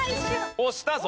押したぞ。